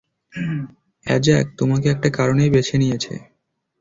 অ্যাজাক তোমাকে একটা কারনেই বেছে নিয়েছে।